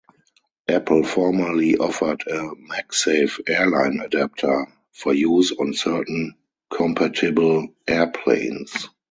Apple formerly offered a "MagSafe Airline Adapter" for use on certain compatible airplanes.